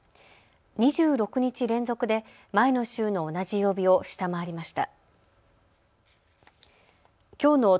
２６日連続で前の週の同じ曜日を下回りました。